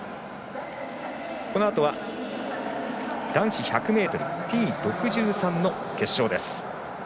このあとは、男子１００ｍＴ６３決勝です。